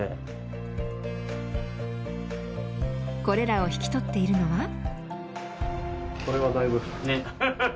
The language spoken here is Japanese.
これらを引き取っているのは。